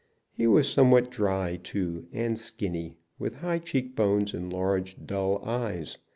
He was somewhat dry, too, and skinny, with high cheekbones and large dull eyes.